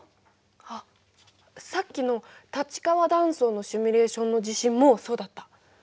あっさっきの立川断層のシミュレーションの地震もそうだった。